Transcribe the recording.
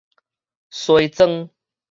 梳妝